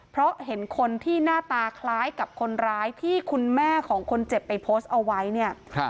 เพราะเห็นคนที่หน้าตาคล้ายกับคนร้ายที่คุณแม่ของคนเจ็บไปโพสต์เอาไว้เนี่ย